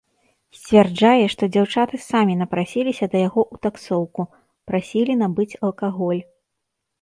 Сцвярджае, што дзяўчаты самі напрасіліся да яго ў таксоўку, прасілі набыць алкаголь.